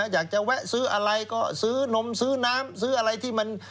อยากจะแวะซื้ออะไรก็ซื้อนมซื้อน้ำซื้ออะไรที่มัน